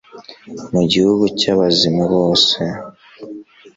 mu gihugu cy'abazima bose